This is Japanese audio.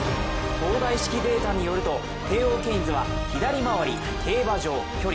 東大式データによるとテーオーケインズは左回り・競馬場・距離